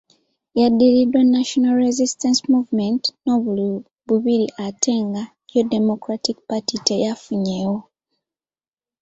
Yaddiridwa National Resistance Movement n’obululu bubiri ate nga yo Democratic Party teyafunyeewo.